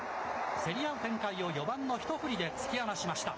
競り合う展開を４番の一振りで突き放しました。